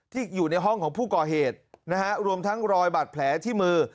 อยู่ในห้องของผู้ก่อเหตุนะฮะรวมทั้งรอยบาดแผลที่มือ